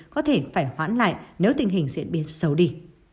có thể phải hoãn lại nếu tình hình diễn biến xấu đi